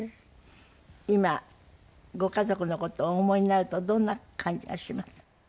今ご家族の事をお思いになるとどんな感じがします？